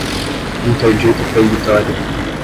Interdito Proibitório